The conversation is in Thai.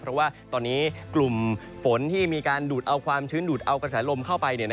เพราะว่าตอนนี้กลุ่มฝนที่มีการดูดเอาความชื้นดูดเอากระแสลมเข้าไป